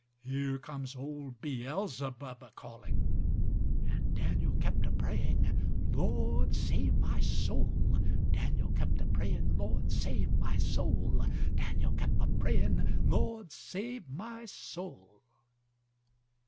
Here comes old Beelzebub a calling."And Daniel kept a praying:—"Lord save my soul."Daniel kept a praying:—"Lord save my soul."Daniel kept a praying:—"Lord save my soul."